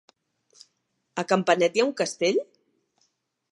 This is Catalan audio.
A Campanet hi ha un castell?